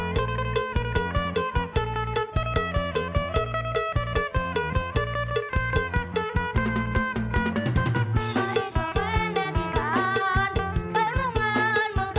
สนับสนุนโดยอีซุสเอกสิทธิ์แห่งความสุข